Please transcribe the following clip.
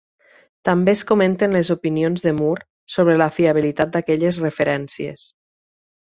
També es comenten les opinions de Moore sobre la fiabilitat d'aquelles referències.